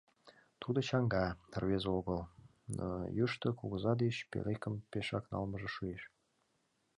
Тудо чаҥга рвезе огыл, но Йӱштӧ Кугыза деч пӧлекым пешак налмыже шуэш!